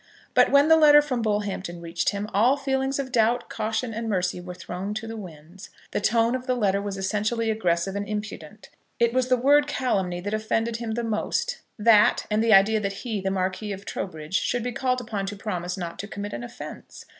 But, when the letter from Bullhampton reached him, all feelings of doubt, caution, and mercy, were thrown to the winds. The tone of the letter was essentially aggressive and impudent. It was the word calumny that offended him most, that, and the idea that he, the Marquis of Trowbridge, should be called upon to promise not to commit an offence!